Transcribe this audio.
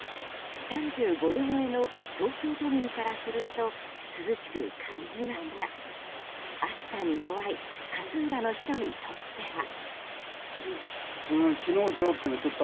３５度超えの東京都民からすると涼しく感じますが暑さに弱い勝浦の人にとっては。